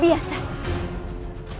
tidak ada apa apa